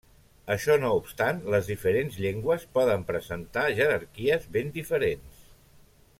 Això no obstant, les diferents llengües poden presentar jerarquies ben diferents.